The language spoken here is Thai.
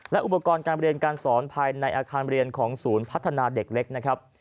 และอุปกรณ์การเรียนการสอนภายในอาคารเรียนของศูนย์พัฒนาเด็กเล็กนะครับ